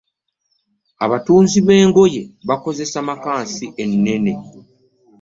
Abatunzi b'engoye bakozesa makansi ennene